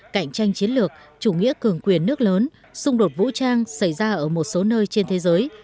cạnh tranh chiến lược chủ nghĩa cường quyền nước lớn xung đột vũ trang xảy ra ở một số nơi trên thế giới